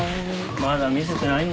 まだ見せてないんだろ。